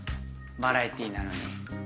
バラエティーなのに。